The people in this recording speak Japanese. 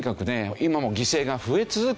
今も犠牲が増え続けています。